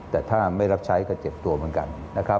แต่ถ้าไม่รับใช้ก็เจ็บตัวเหมือนกันนะครับ